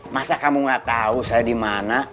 masa kamu gak tau saya dimana